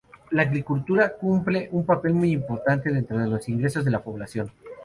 La agricultura cumple un papel muy importante dentro de los ingresos de la población.